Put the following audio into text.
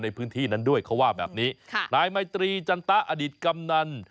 ในพื้นที่นั้นด้วยเขาว่าแบบนี้ค่ะนายไมตรีจันตะอดิษฐกำนัน